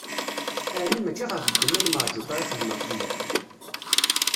Ɛni mačči ɣef ddemma n Meɛǧuṭa i xedmeɣ fell-ak?